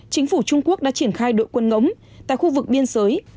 chính phủ trung quốc đã triển khai đội quân ngóng tại khu vực biên giới